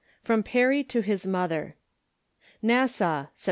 19. FEOM PEREY TO HIS MOTHEE. Nassau, Sept.